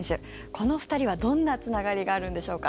この２人はどんなつながりがあるんでしょうか。